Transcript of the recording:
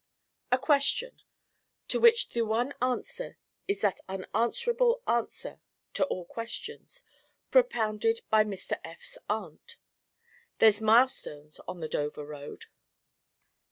A question: to which the one answer is that unanswerable answer to all questions, propounded by Mr. F.'s Aunt 'There's milestones on the Dover road.